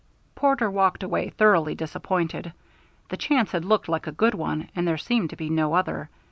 Porter walked away thoroughly disappointed. The chance had looked like a good one and there seemed to be no other.